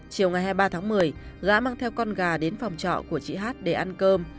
chiều ngày hai mươi ba tháng một mươi gã mang theo con gà đến phòng trọ của chị hát để ăn cơm